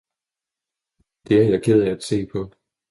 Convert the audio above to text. Det er jeg ked af at se på!